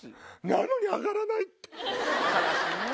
なのに上がらないっていうね